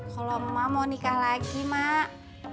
kalau emak mau nikah lagi mak